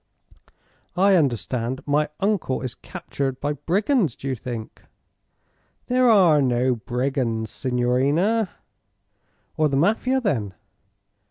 "I understand. My uncle is captured by brigands, you think." "There are no brigands, signorina." "Or the Mafia, then."